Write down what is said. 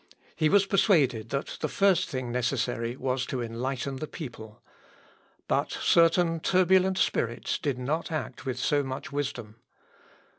He was persuaded that the first thing necessary was to enlighten the people. But certain turbulent spirits did not act with so much wisdom.